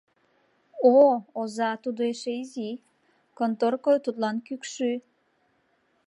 О, оза, тудо эше изи, конторко тудлан кӱкшӱ.